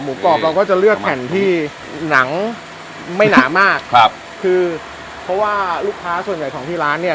กรอบเราก็จะเลือกแผ่นที่หนังไม่หนามากครับคือเพราะว่าลูกค้าส่วนใหญ่ของที่ร้านเนี่ย